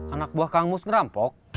anak buah kangmus ngerampok